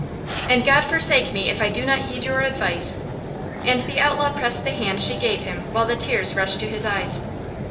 And God forsake me if I do not heed your advice!" and the outlaw pressed the hand she gave him while the tears rushed to his eyes.